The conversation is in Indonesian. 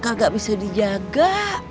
kagak bisa dijaga